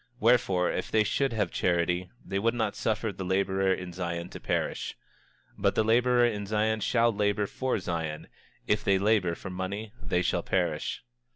Wherefore, if they should have charity they would not suffer the laborer in Zion to perish. 26:31 But the laborer in Zion shall labor for Zion; for if they labor for money they shall perish.